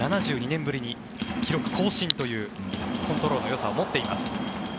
７２年ぶりに記録更新というコントロールのよさを持っています。